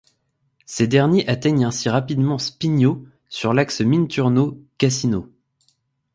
Ces derniers atteignent ainsi rapidement Spigno, sur l’axe Minturno - Cassino.